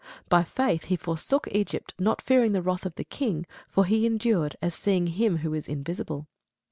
By faith he forsook Egypt, not fearing the wrath of the king: for he endured, as seeing him who is invisible.